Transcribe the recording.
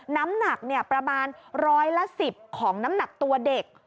น้ำหนักประมาณร้อยละ๑๐ของน้ำหนักตัวเด็ก